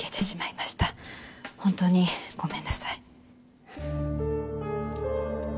本当にごめんなさい。